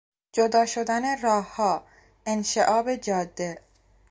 جدا شدن راهها، انشعاب جاده